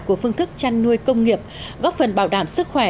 của phương thức chăn nuôi công nghiệp góp phần bảo đảm sức khỏe